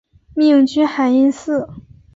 命居海印寺。